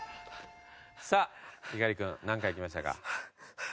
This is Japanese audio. さあ猪狩君何回いきましたか？